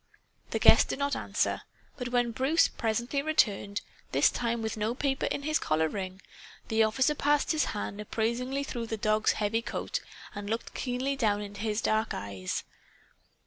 The guest did not answer. But when Bruce presently returned, this time with no paper in his collar ring, the officer passed his hand appraisingly through the dog's heavy coat and looked keenly down into his dark eyes.